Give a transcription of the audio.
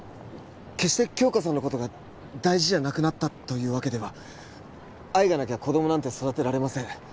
決して杏花さんのことが大事じゃなくなったというわけでは愛がなきゃ子供なんて育てられません